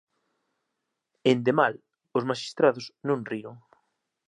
Ende mal, os maxistrados non riron.